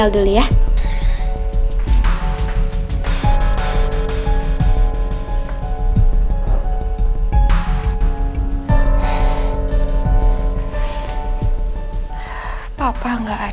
hai saya sudah pulang ke rumah ulang halnya